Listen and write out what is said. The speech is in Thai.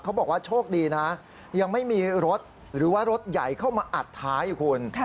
เขาบอกว่าโชคดีนะยังไม่มีรถหรือว่ารถใหญ่เข้ามาอัดท้ายคุณ